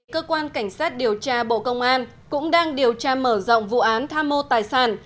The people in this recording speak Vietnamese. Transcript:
cơ quan cảnh sát điều tra bộ công an cũng đang điều tra mở rộng vụ án tham mô tài sản